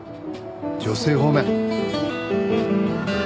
女性方面。